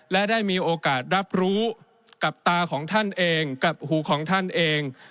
และได้มีโอกาสรับรู้กับตาของท่านเอง